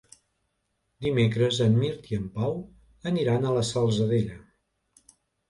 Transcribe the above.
Dimecres en Mirt i en Pau aniran a la Salzadella.